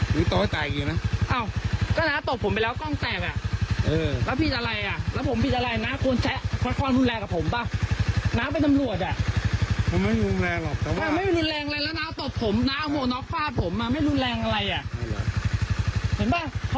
เห็นป่ะพอน้าทำแล้วน้ามานั่งคิดมาคิดตอนเนี่ย